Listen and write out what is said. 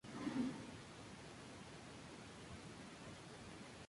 Actualmente está a cargo del Coro Filarmónico de Dresde.